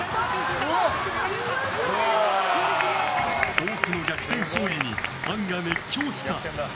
多くの逆転勝利にファンが熱狂した。